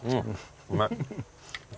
うまい。